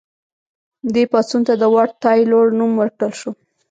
دې پاڅون ته د واټ تایلور نوم ورکړل شو.